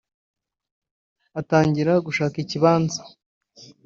atangira gushaka ikibanza